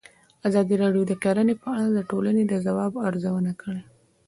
ازادي راډیو د کرهنه په اړه د ټولنې د ځواب ارزونه کړې.